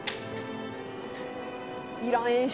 「いらん演出。